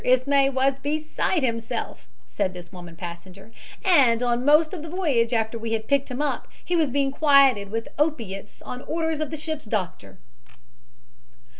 Ismay was beside himself," said this woman passenger, "and on most of the voyage after we had picked him up he was being quieted with opiates on orders of the ship's doctor.